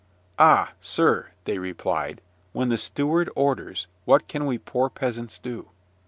"Ah, sir!" they replied, "when the steward orders, what can we poor peasants do?"